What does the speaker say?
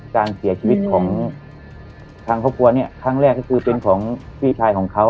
การเสียชีวิตของทางครอบครัวเนี่ยครั้งแรกก็คือเป็นของพี่ชายของเขา